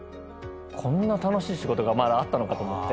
こんな楽しい仕事がまだあったのかと思って。